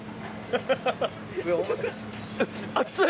・熱い！